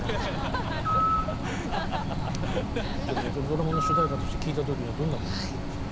ドラマの主題歌として聴いた時にはどんなふうに思いました？